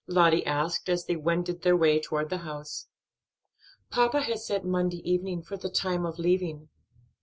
Lottie asked as they wended their way toward the house. "Papa has set Monday evening for the time of leaving."